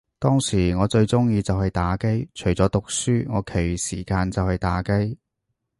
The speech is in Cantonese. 當時我最鍾意就係打機，除咗讀書，我其餘時間就係打機